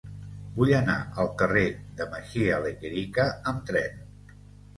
Vull anar al carrer de Mejía Lequerica amb tren.